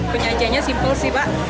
penyajiannya simpel sih pak